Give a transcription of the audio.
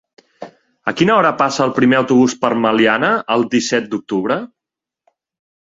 A quina hora passa el primer autobús per Meliana el disset d'octubre?